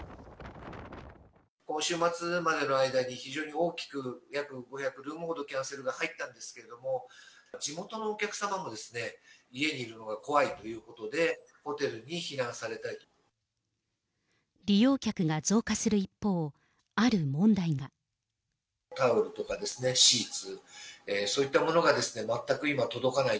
今週末までの間に、非常に大きく約５００ルームほどキャンセルが入ったんですけれども、地元のお客様も家にいるのが怖いということで、利用客が増加する一方、あるタオルとかシーツ、そういったものが全く今、届かない。